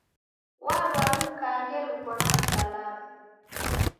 Warwa lukange luko na msalaba